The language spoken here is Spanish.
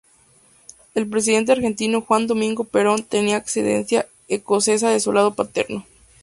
El presidente argentino Juan Domingo Perón tenía ascendencia escocesa de su lado paterno.